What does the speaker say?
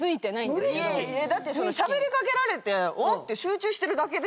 だってしゃべり掛けられて集中してるだけですやん。